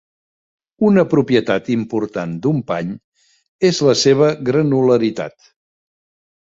Una propietat important d'un pany és la seva "granularitat".